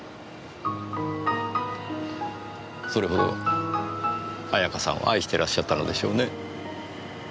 それほど綾香さんを愛してらっしゃったのでしょうねぇ。